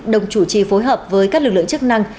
đồng chủ trì phối hợp với các lực lượng chức năng